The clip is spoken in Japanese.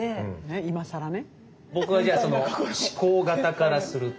今更ね。